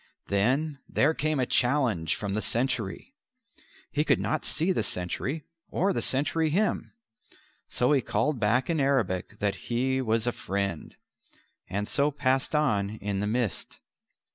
Then there came a challenge from the sentry. He could not see the sentry or the sentry him. So he called back in Arabic that he was a friend, and so passed on in the mist.